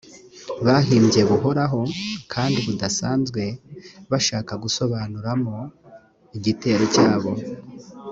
bahimbye buhoraho kandi budasanzwe bashaka gusobanuramo igitero cyabo